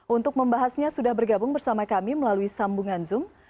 untuk membahasnya sudah bergabung bersama kami melalui sambungan zoom